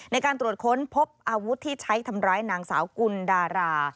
ในการตรวจค้นพบอาวุธที่ใช้ทำร้ายนางสาวกุลดารา